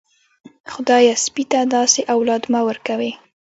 خدايه سپي ته داسې اولاد مه ورکوې.